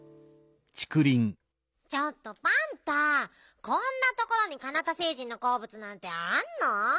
ちょっとパンタこんなところにカナタ星人のこうぶつなんてあんの？